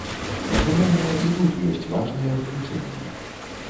Безумоўна, і тут ёсць важныя выключэнні.